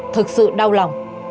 thực sự đau lòng